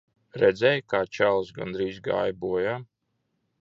Redzēji, kā čalis gandrīz gāja bojā.